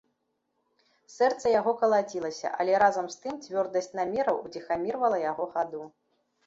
Сэрца яго калацілася, але разам з тым цвёрдасць намераў уціхамірвала яго хаду.